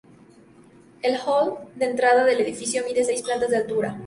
El hall de entrada del edificio mide seis plantas de altura.